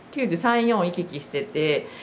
９３９４を行き来してて。